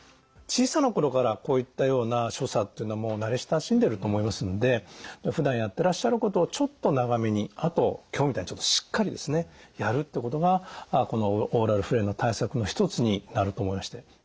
小さな頃からこういったような所作っていうのはもう慣れ親しんでると思いますのでふだんやっていらっしゃることをちょっと長めにあと今日みたいにちょっとしっかりですねやるってことがこのオーラルフレイルの対策の一つになると思いまして。